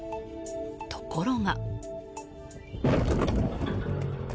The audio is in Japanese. ところが。